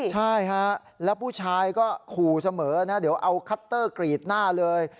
ใช่ฮะแล้วผู้ชายก็ขู่เสมอนะเดี๋ยวเอาคัตเตอร์กรีดหน้าเลย